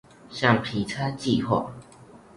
橡皮擦計畫